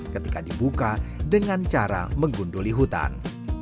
ketika dibuka dengan cara menggundoli hutan